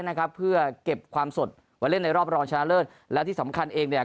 นะครับเพื่อเก็บความสดไว้เล่นในรอบรองชนะเลิศและที่สำคัญเองเนี่ย